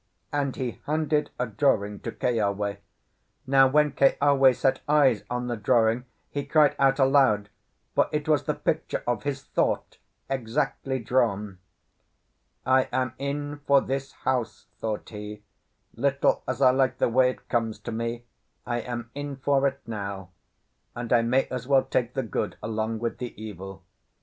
and he handed a drawing to Keawe. Now, when Keawe set eyes on the drawing, he cried out aloud, for it was the picture of his thought exactly drawn. "I am in for this house," thought he. "Little as I like the way it comes to me, I am in for it now, and I may as well take the good along with the evil."